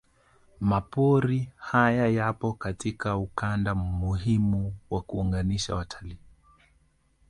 Mapori haya yapo katika ukanda muhimu wa kuunganisha watalii